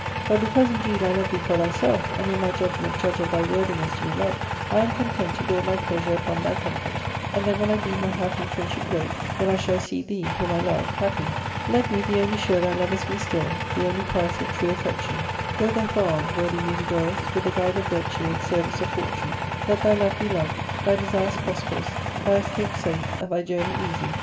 But because indeed I love thee for thyself, and in my judgment judge, of thy worthiness to be loved, I am con tent to build my pleasure upon thy comfort, and then will I deem my hap in friendship great when I shall see thee, whom I love, happy. Let me be only sure thou lovest me still, the only price of true aflfection. Go therefore on, worthy Musi dorus, with the gu^dfe of virtue and service of fortune. Let thy love be loved, thy desires prosperous, thy escape safe, and thy journey easy.